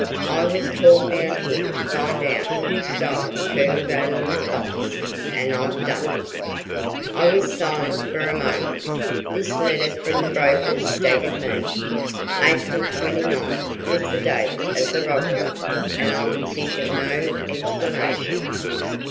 "I was called down here to find out who stole Colonel Gaylord's bonds, and I've done it." I was silent for a moment. This letter from the brokers staggered me. April twenty ninth was the date of the robbery, and I could think of no explanation.